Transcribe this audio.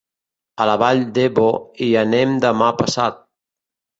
A la Vall d'Ebo hi anem demà passat.